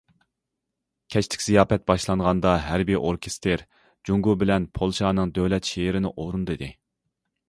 كەچلىك زىياپەت باشلانغاندا، ھەربىي ئوركېستىر جۇڭگو بىلەن پولشانىڭ دۆلەت شېئىرىنى ئورۇندىدى.